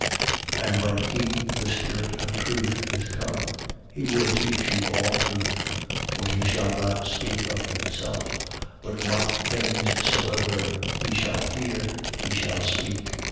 16:13. But when he, the Spirit of truth, is come, he will teach you all truth. For he shall not speak of himself: but what things soever he shall hear, he shall speak.